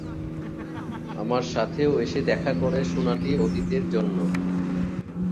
আমার সাথেও এসে দেখা করে, সোনালী অতীতের জন্য।